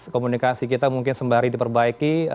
komunikasi kita mungkin sembari diperbaiki